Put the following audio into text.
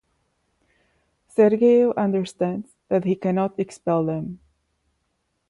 Sergeyev understands that he cannot expel them.